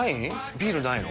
ビールないの？